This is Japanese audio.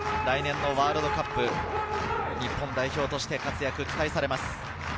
来年のワールドカップ、日本代表として活躍が期待されます。